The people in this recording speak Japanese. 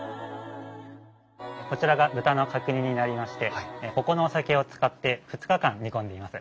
こちらが豚の角煮になりましてここのお酒を使って２日間煮込んでいます。